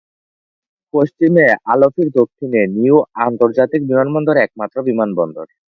পশ্চিমে, আলোফির দক্ষিণে, নিউ আন্তর্জাতিক বিমানবন্দর একমাত্র বিমানবন্দর।